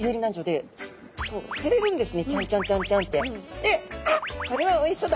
で「あっこれはおいしそうだ」